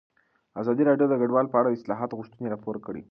ازادي راډیو د کډوال په اړه د اصلاحاتو غوښتنې راپور کړې.